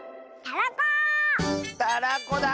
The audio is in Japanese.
たらこだ！